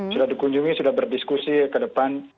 sudah dikunjungi sudah berdiskusi ke depan